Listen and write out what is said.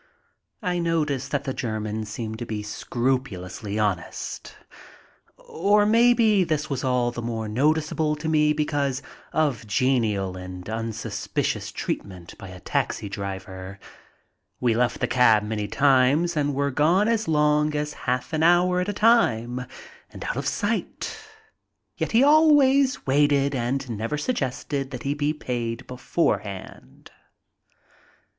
I notice that the Germans seem to be scrupulously honest, or maybe this was all the more noticeable to me because of genial and unsuspicious treatment by a taxi driver. We left the cab many times and were gone as long as half an hour at a time, and out of sight, yet he always waited and never suggested that he be paid beforehand.